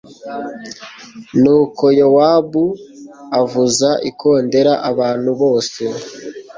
Nuko Yowabu avuza ikondera abantu bose